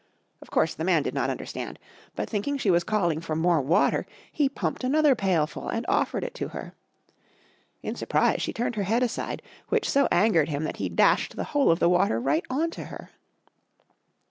Of course the man did not understand, but thinking she was calling for more water he pumped another pailful and offered it to her. In surprise she turned her head aside, which so angered him, that he dashed the whole of the water right on to her.